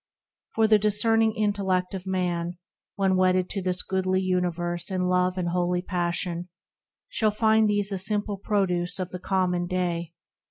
For the discerning intellect of Man, When wedded to this goodly universe In love and holy passion, shall find these A simple produce of the common day.